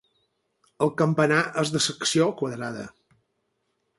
El campanar és de secció quadrada.